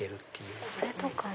これとかは？